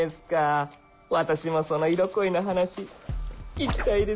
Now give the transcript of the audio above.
私もその色恋の話聞きたいですよ